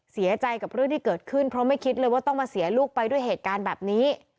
เสียใจกับเรื่องที่เกิดขึ้นเพราะไม่คิดเลยว่าต้องมาเสียลูกไปด้วยเหตุการณ์แบบนี้